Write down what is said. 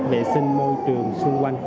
bệ sinh môi trường xung quanh